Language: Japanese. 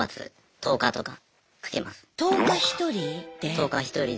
１０日１人で。